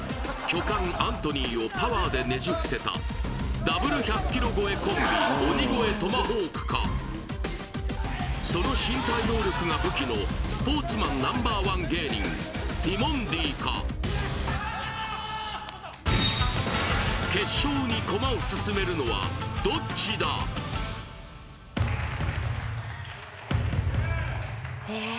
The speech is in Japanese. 巨漢アントニーをパワーでねじ伏せたダブル１００ｋｇ超えコンビ鬼越トマホークかその身体能力が武器のスポーツマンＮｏ．１芸人ティモンディか決勝に駒を進めるのはどっちだええ